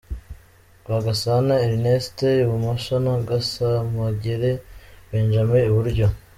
Rwagasana Ernest ibumoso, na Gasamagera Benjamin Iburyo.